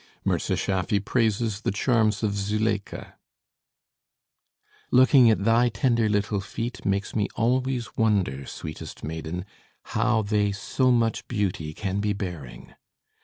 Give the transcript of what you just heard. MIZA SCHAFFY PRAISES THE CHARMS OF ZULÉIKHA Looking at thy tender little feet Makes me always wonder, sweetest maiden, How they so much beauty can be bearing!